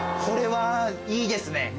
これはいいですね。